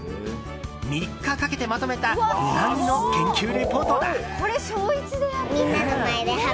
３日かけてまとめたウナギの研究レポートだ。